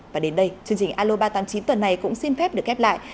và đến đây chương trình aloba tám mươi chín tuần này cũng xin phép được kép lại